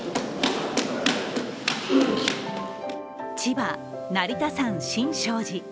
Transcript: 千葉・成田山新勝寺。